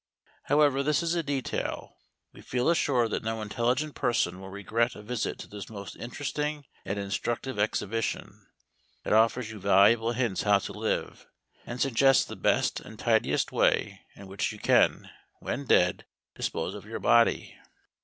However, this is a detail. We feel assured that no intelligent person will regret a visit to this most interesting and instructive exhibition. It offers you valuable hints how to live, and suggests the best and tidiest way in which you can, when dead, dispose of your body.